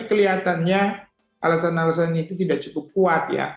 kelihatannya alasan alasan ini tidak cukup kuat ya